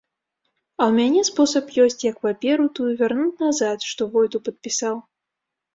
А ў мяне спосаб ёсць, як паперу тую вярнуць назад, што войту падпісаў.